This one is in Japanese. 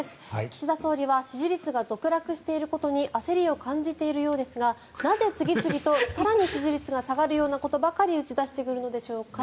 岸田総理は支持率が続落していることに焦りを感じているようですがなぜ次々と更に支持率が下がるようなことばかり打ち出してくるのでしょうか。